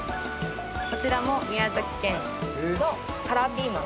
こちらも宮崎県のカラーピーマン。